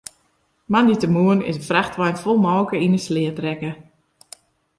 Moandeitemoarn is in frachtwein fol molke yn 'e sleat rekke.